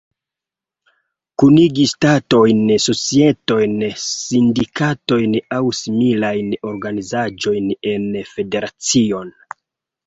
Kunigi ŝtatojn, societojn, sindikatojn aŭ similajn organizaĵojn en federacion.